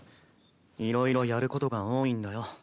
いろいろやることが多いんだよ。